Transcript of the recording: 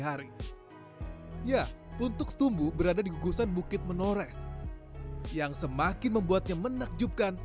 hari ya untuk tumbuh berada di gugusan bukit menoreh yang semakin membuatnya menakjubkan